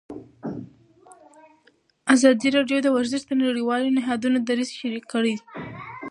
ازادي راډیو د ورزش د نړیوالو نهادونو دریځ شریک کړی.